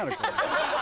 ハハハ！